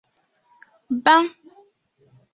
ban.